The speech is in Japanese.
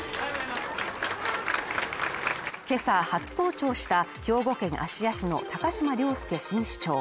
今朝、初登庁した兵庫県芦屋市の高島崚輔新市長。